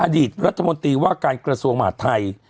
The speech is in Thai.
อดีตรัฐมนตรีว่าการกระทรวงมหาดไทย